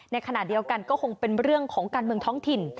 ในขณะเดียวกันก็คงเป็นเรื่องของการเมืองท้องถิ่น